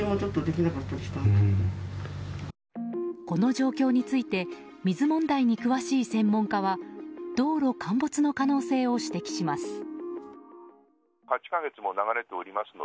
この状況について水問題に詳しい専門家は道路陥没の可能性を指摘します。